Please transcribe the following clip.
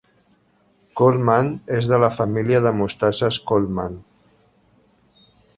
Colman és de la família de mostasses Colman.